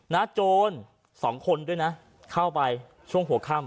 โจรสองคนด้วยนะเข้าไปช่วงหัวค่ำ